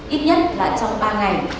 ít nhất là trong ba ngày